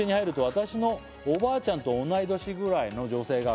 「私のおばあちゃんと同い年ぐらいの女性が」